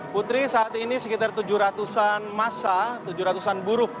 putri saat ini sekitar tujuh ratus an masa tujuh ratus an buruh